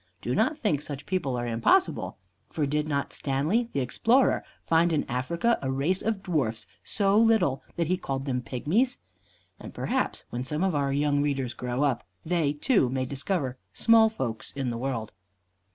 Do not think such people are impossible, for did not Stanley, the explorer, find in Africa a race of dwarfs so little that he called them pygmies? And perhaps when some of our young readers grow up, they, too, may discover small folks in the world.